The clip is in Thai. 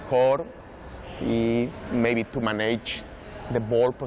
คือที่ไม่ต้องยกว่า